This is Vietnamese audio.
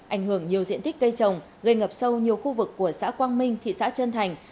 ảnh hưởng nhiều diện tích cây trồng gây ngập sâu nhiều khu vực của xã quang minh thị xã trân thành